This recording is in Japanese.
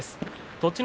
栃ノ